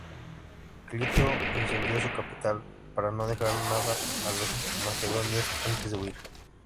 Clito incendió su capital, para no dejar nada a los macedonios antes de huir.